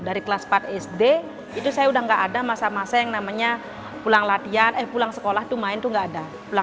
dari kelas empat sd itu saya udah gak ada masa masa yang namanya pulang latihan eh pulang sekolah itu main tuh nggak ada